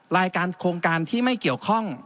รายการโครงการที่ไม่เกี่ยวข้อง